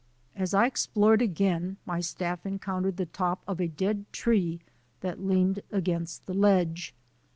As I explored again my staff encountered the top of a dead tree that leaned against the ledge.